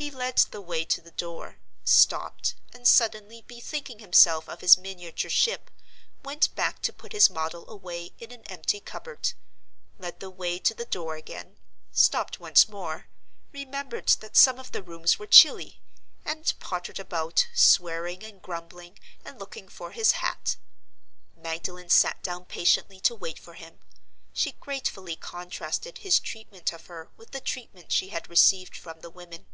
He led the way to the door—stopped, and suddenly bethinking himself of his miniature ship, went back to put his model away in an empty cupboard—led the way to the door again—stopped once more—remembered that some of the rooms were chilly—and pottered about, swearing and grumbling, and looking for his hat. Magdalen sat down patiently to wait for him. She gratefully contrasted his treatment of her with the treatment she had received from the women.